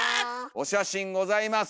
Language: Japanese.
お写真ございます。